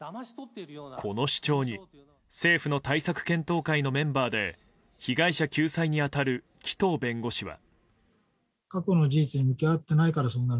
この主張に政府の対策検討会のメンバーで被害者救済に当たる紀藤弁護士は。